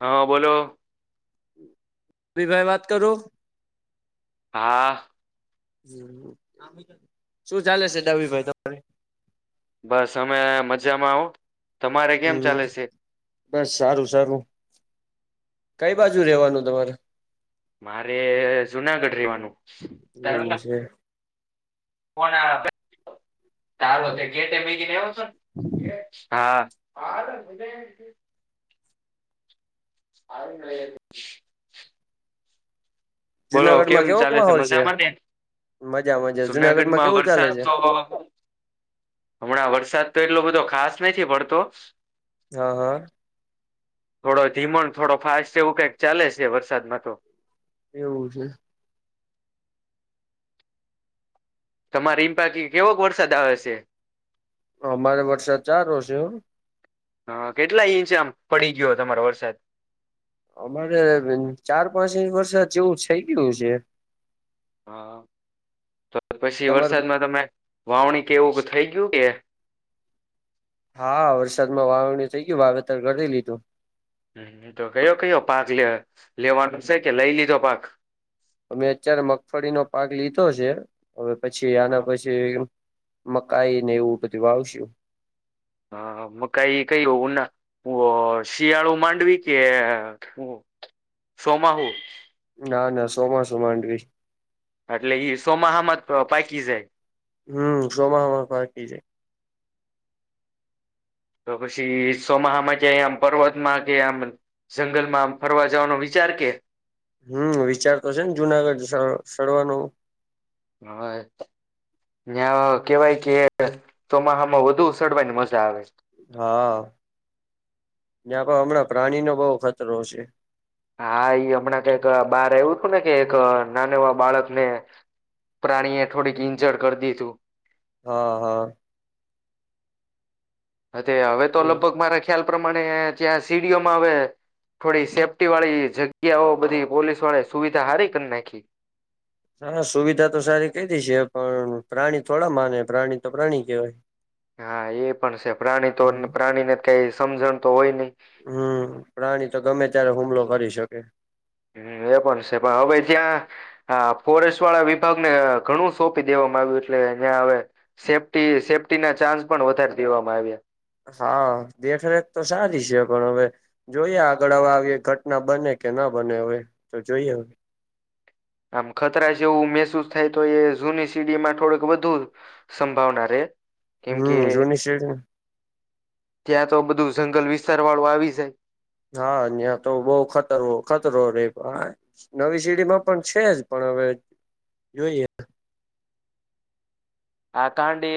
હા, બોલો. ભી ભાઈ વાત કરો. હા. શું ચાલે છે? ડાભીભાઈ તમારે. બસ અમે મજામાં હો. તમારે કેમ હમ્મ, ચાલે છે બસ સારું સારું, કઈ બાજુ રેવાનું તમારે. મારે જુનાગઢ રેવાનું. એવું છે. સારો થઈ. ગેટે હા [unintelligible] આવીને. બોલો, જુનાગઢ માં કેમ કેવોક ચાલે સે માહોલ છે મજા માને. મજા મજા જુનાગઢ માં જુનાગઢમાં કેવું ચાલે વરસાદ છે તો હમણાં વરસાદ તો એટલો બધો ખાસ નથી પડતો. હા, હા. થોડો ધીમો ને, થોડો ફાસ્ટ સે, એવું કઈક ચાલે સે વરસાદમાં તો. એવું છે. તમારે ઈ બાજું કેવો વરસાદ આવે સે? અમારે વરસાદ ચારો સે. હ, કેટલા ઇંચ આમ પડી ગયો તમારે વરસાદ? અમારે ચાર-પાંચ ઇંસ વરસાદ જેવું થઇ ગયું હસે. હા તો, પસી તમાર વરસાદમાં તમે વાવણી કે, એવું થઈ ગયું કે. હા, વરસાદમાં વાવણી થઈ ગયું, વાવેતર કરી લીધું. હ, તો કયો કયો પાક લે લેવાનો સે કે? લઈ લીધો પાક. અમે અત્યારે મગફળીનો પાક લીધો સે, હવે પછી આના પછી મકાઈ ને એવું બધું વાવશુ. હા, મકાઈ ઓ ના. ઓ શિયાળુ માંડવી કે સોમાહુ. ના ના સોમાસુ માન્ડવી. અટલે ઈ સોમાહા માં જ પાકી જાય. હમ, સોમાહામાં પાકી જાય. તો પછી સોમાહામાં ક્યાં ઇ આમ પર્વત માં કે આમ જંગલમાં આમ ફરવા જવાનો વિચાર કે. હમ, વિચાર તો છે ને, જુનાગઢ સડવાનો. હા. ન્યા કેવાય કે, સોમાહામાં વધુ સડવાની મજા આવે. હા, ન્યાતો હમણાં પ્રાણીનો બહુ ખતરો સે. હા, ઈ હમણાં કઈક બાર આવવું તું ને કે, એક નાના એવા બાળક ને. પ્રાણીએ થોડીક ઈન્જર કરી દીધું. હા, હા. હ તો, હવે તો એ લગભગ મારા ખ્યાલ પ્રમાણે ત્યાં સીડીઓમાં અવે. થોડી સેફ્ટી વાળી જગ્યાઓ બધી પોલીસ વાળે સુવિધા હારી કરી નાખી. હા, સુવિધા તો સારી કઈ છે, પણ પ્રાણી થોડા માને પ્રાણી તો પ્રાણી કેવાય. હા, એ પણ છે, પ્રાણી તો હમ પ્રાણી ને કાઈ સમજણ તો હોય નહી. હમ, પ્રાણી તો ગમે ત્યારે હુમલો કરી શકે. હ, એ પણ સે પણ હવે ત્યાં હા, ફોરેસ્ટ વાળા વિભાગને ઘણું સોંપી દેવામાં આવ્યું, એટલે ન્યા હવે. સેફ્ટી સેફ્ટી ના ચાન્સ પણ વધારી દેવામાં આવ્યા. હા, દેખરેખ તો સારી સે પણ હવે જોઈએ, આગળ હવે આવી ઘટના બને કે, ના બને, હવે તો જોઈએ હવે. આમ ખતરા જેવું મહેસૂસ થાય તો, એ જૂની સીડીમાં થોડુંક વધુ. સંભાવના રે. કેમ કે, હમ જૂની શેરી ત્યાં તો બધું ઝંગલ વિસ્તાર વાળું આવી જાય. હા ન્યા તો બહુ ખતરો ખતરો રે હા. નવી સીડીમાં પણ છે જ, પણ હવે જોઈએ. આ કાંડ એ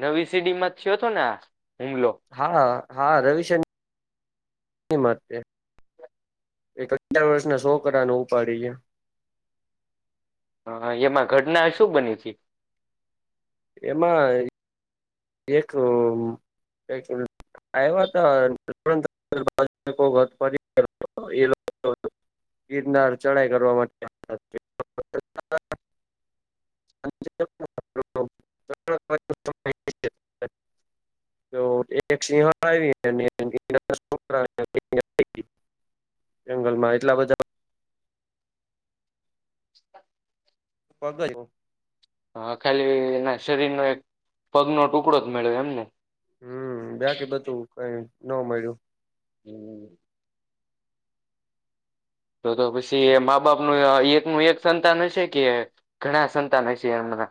નવી સીડીમાં જ થયો તો ને આ? હુમલો? હા, હા. [inaudible] સીડી મા જ તે. એક અગીયાર વર્ષ ના સોકરા ને ઉપાડીને ગિયા. હા, હા. એમાં ઘટના એ શું બની તી? એમાં, એક [unintelligible] આયવા તા [inaudible] ગીરનાર ચઢાઈ કરવા [inaudible] [inaudible] તો એક સિંહણ આઈવી ને [inaudible] જંગલ માં એટલા બધા [inaudible] [unintelligible] હા. ખાલી એના શરીરનો એક પગનો ટુકડો જ મઈળો એમને? હમ્મ. બાકી બધું કંઈ ન મળ્યું. હમ્મ. તો-તો પછી એ માં-બાપનું એકનું એક સંતાન હશે કે ઘણા સંતાન હશે એમના?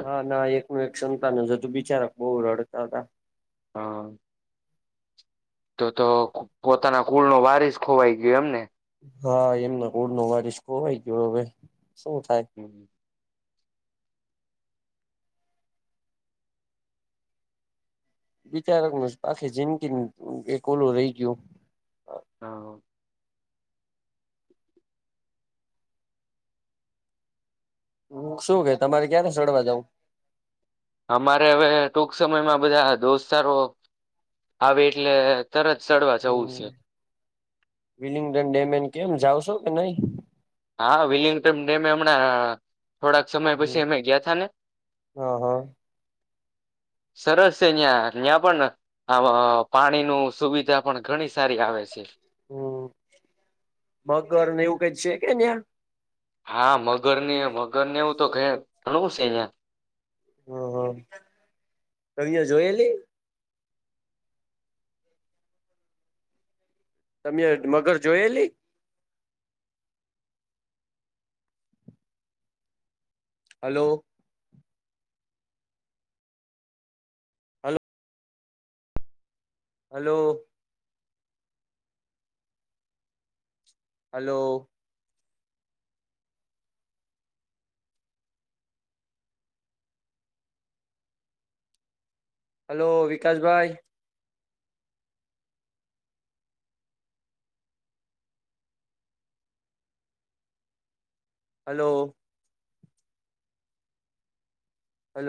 ના-ના એક નું એક સંતાન જ હતું. બિચારા બઉ રડતા તા. હા. તો-તો પોતાના કુળનો વારિશ ખોવાય ગયો એમને? હા. એમના કુળ નો વારીશ ખોવાય ગયો હવે. શું થાય? હમ્મ. બિચારક નું આખી જિંદગીનું એક ઓલું રહી ગિયું. હા. હમ્મ. શું કહે તમારે ક્યારે સડવા જાઉં? અમારે હવે ટૂંક સમયમાં બધા દોસ્તારો આવે એટલે તરત સડવા જવું સે. વિલિંગ્ટન ડેમે ને કેમ જાવશો કે નહીં? હા. વિલિંગ્ટમ ડેમે હમણાં થોડાક સમય પસી અમે ગીયા થા ને. હા હા સરસ સે ન્યાં. ન્યાં પન આવા પાણી નું સુવિધા પણ ઘણી સારી આવે છે. હમ્મ. મગર ને એવું કાંઈ છે કે ન્યાં? હા. મગર ને, મગર ને એવું તો ઘેર, ઘણું સે ન્યાં. હા, હા. કંઈએ જોયેલી? તમેટ મગર જોયેલી? હલો. હલ હલો. હલો. હલો વિકાસભાઈ. હલો. હલો